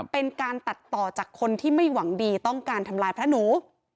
เป็นการตัดต่อจากคนที่ไม่หวังดีต้องการทำลายพระหนู